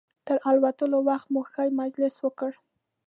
تر الوتلو وخته مو ښه مجلس وکړ.